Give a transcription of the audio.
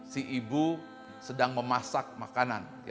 si ibu sedang memasak makanan